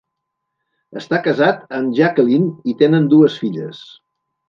Està casat amb Jacquelyn i tenen dues filles.